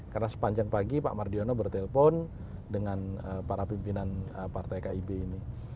karena sepanjang pagi pak mardiono bertelpon dengan para pimpinan partai kib ini